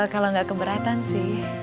kalau gak keberatan sih